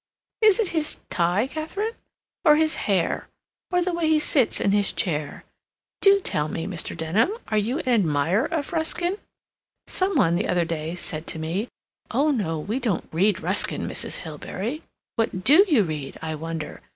Is it his tie, Katharine, or his hair, or the way he sits in his chair? Do tell me, Mr. Denham, are you an admirer of Ruskin? Some one, the other day, said to me, 'Oh, no, we don't read Ruskin, Mrs. Hilbery.' What do you read, I wonder?